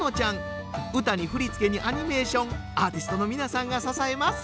歌に振り付けにアニメーションアーティストの皆さんが支えます。